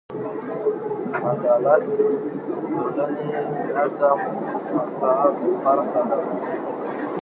عدالت د ټولنیز نظم اساسي برخه ده.